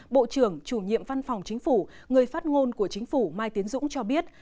bộ trưởng chủ nhiệm văn phòng chính phủ người phát ngôn của chính phủ mai tiến dũng cho biết